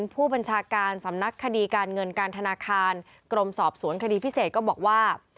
ผู้บัญชาการสำนักคดีการเงินการธนาคารกรมสอบสวนคดีพิเศษก็บอกว่า